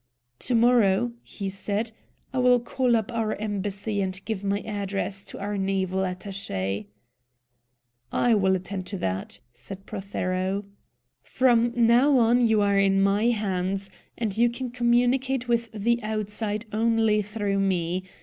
"To morrow," he said, "I will call up our Embassy, and give my address to our Naval Attache. "I will attend to that," said Prothero. "From now you are in my hands, and you can communicate with the outside only through me.